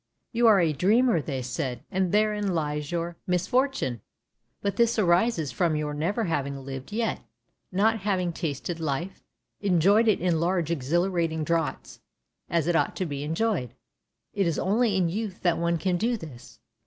" You are a dreamer," they said, " and therein lies your 104 PSYCHE 105 misfortune. But this arises from your never having lived yet, not having tasted life, enjoyed it in large exhilarating draughts, as it ought to be enjoyed. It is only in youth that one can do this.